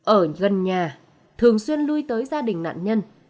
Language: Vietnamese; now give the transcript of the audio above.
ở gần nhà thường xuyên lui tới gia đình nạn nhân